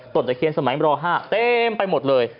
ตะเคียนสมัยมร๕เต็มไปหมดเลย